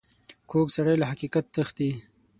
کوږ سړی له حقیقت تښتي